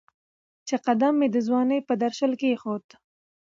چې قدم مې د ځوانۍ په درشل کېښود